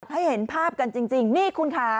ให้เห็นภาพกันจริงนี่คุณค่ะ